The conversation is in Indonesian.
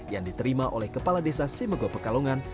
yang diterima oleh kepala desa simego pekalongan